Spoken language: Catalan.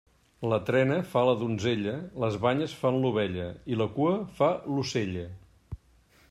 La trena fa la donzella, les banyes fan l'ovella i la cua fa l'ocella.